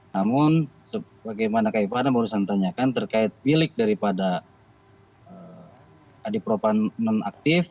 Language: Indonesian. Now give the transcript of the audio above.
namun bagaimana kaipana baru saya tanyakan terkait milik daripada adik propanen aktif